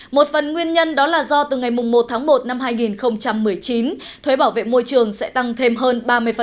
một phần nguyên nhân đó là do từ ngày một tháng một năm hai nghìn một mươi chín thuế bảo vệ môi trường sẽ tăng thêm hơn ba mươi